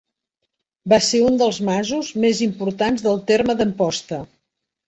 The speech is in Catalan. Va ser un dels masos més importants del terme d'Amposta.